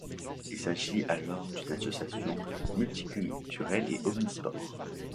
Il s'agit alors d'une association multiculturelle et omnisports.